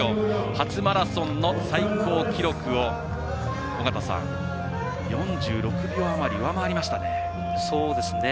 初マラソンの最高記録を４６秒あまり上回りましたね。